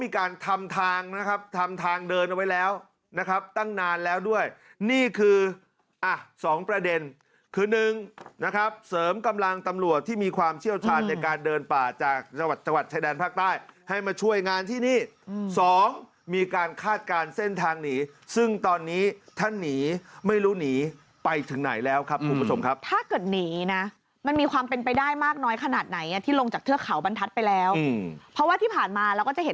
ครับเสริมกำลังตำรวจที่มีความเชี่ยวชาญในการเดินป่าจากจังหวัดจังหวัดชายแดนภาคใต้ให้มาช่วยงานที่นี่สองมีการคาดการณ์เส้นทางหนีซึ่งตอนนี้ท่านหนีไม่รู้หนีไปถึงไหนแล้วครับคุณผู้ชมครับถ้าเกิดหนีนะมันมีความเป็นไปได้มากน้อยขนาดไหนที่ลงจากเทือกเขาบรรทัศน์ไปแล้วเพราะว่าที่ผ่านมาเราก็จะเห